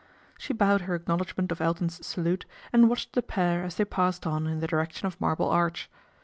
She bowed her acknow ledgment of Elton's salute, and watched the pair as they passed on in the direction of Marble Arch.